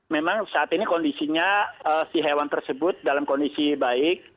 memang saat ini kondisinya si hewan tersebut dalam kondisi baik